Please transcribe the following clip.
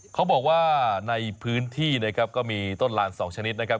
เขาบอกว่าในพื้นที่นะครับก็มีต้นลานสองชนิดนะครับ